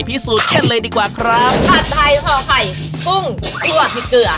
พิสูจน์กันเลยดีกว่าครับผัดไทยห่อไข่กุ้งคั่วพริกเกลือ